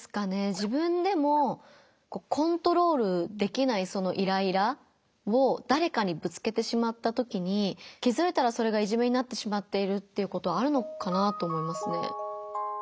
自分でもコントロールできないそのイライラをだれかにぶつけてしまったときに気づいたらそれがいじめになってしまっているっていうことあるのかなと思いますね。